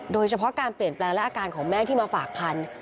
โดยเฉพาะการเปลี่ยนแปลงและอาการของแม่ที่มาฝากคัน